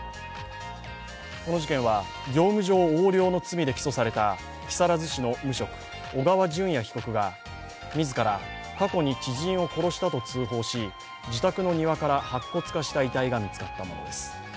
この事件は、業務上横領の罪で起訴された木更津市の無職小川順也被告が自ら、過去に知人を殺したと通報し自宅の庭から白骨化した遺体が見つかったものです。